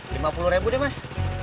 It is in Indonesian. lima puluh deh mas